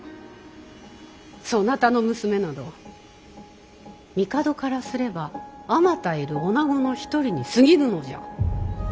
そなたの娘など帝からすればあまたいる女子の一人にすぎぬのじゃ。